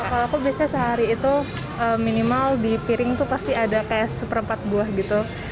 kalau aku biasanya sehari itu minimal di piring tuh pasti ada kayak seperempat buah gitu